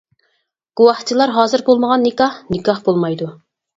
گۇۋاھچىلار ھازىر بولمىغان نىكاھ نىكاھ بولمايدۇ.